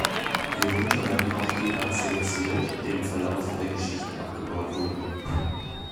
Hierunter werden auch die Erze gezählt, die im Verlaufe der Geschichte abgebaut wurden.